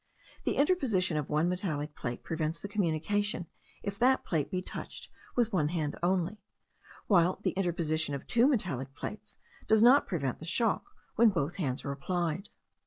The interposition of one metallic plate prevents the communication if that plate be touched with one hand only, while the interposition of two metallic plates does not prevent the shock when both hands are applied.